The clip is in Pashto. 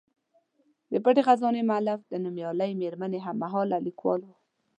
د پټې خزانې مولف د نومیالۍ میرمنې هم مهاله لیکوال و.